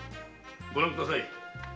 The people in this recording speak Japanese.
ご覧ください。